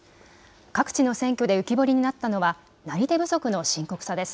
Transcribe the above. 各地の選挙で浮き彫りになったのはなり手不足の深刻さです。